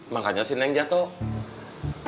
makanya si neng jatuh